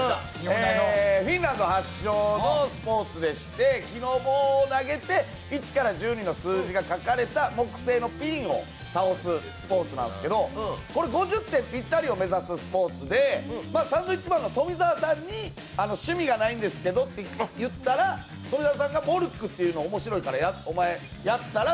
フィンランド発祥のスポーツでして、木の棒を投げて、１１２の数字が書かれた木製のピンを倒すスポーツなんですけど、５０点ぴったりを目指すスポーツで、サンドウィッチマンの富澤さんに趣味がないんですけどと言ったら、富澤さんがモルックっていうの面白いからお前やったら？